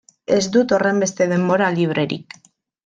Ez dut horrenbeste denbora librerik.